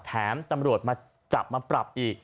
แถมตำรวจมาจับมาปรับอีก